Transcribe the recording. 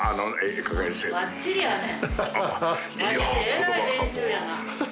えらい練習やな。